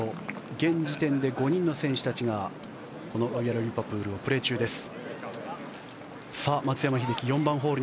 現時点で５人の選手たちがこのロイヤル・リバプールをプレー中です。